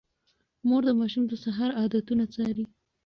مور د ماشوم د سهار عادتونه څاري.